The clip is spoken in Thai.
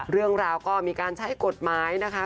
เรื่องราวก็มีการใช้กฎหมายนะคะ